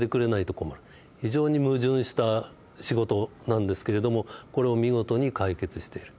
非常に矛盾した仕事なんですけれどもこれを見事に解決している。